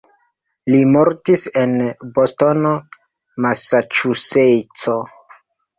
Li mortis en Bostono, Masaĉuseco.